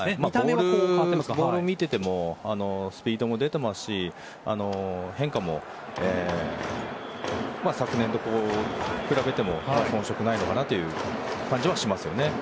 ボールを見ていてもスピードも出てますし変化も、昨年と比べても遜色ないのかなという感じはします。